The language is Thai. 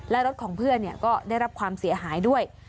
และรถของเพื่อนก็ได้รับความเสียหายด้วย